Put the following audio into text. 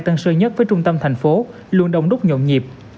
tân sơ nhất với trung tâm thành phố luôn đông đúc nhộn nhịp